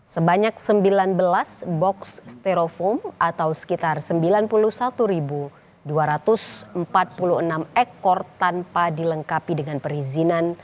sebanyak sembilan belas box stereofoam atau sekitar sembilan puluh satu dua ratus empat puluh enam ekor tanpa dilengkapi dengan perizinan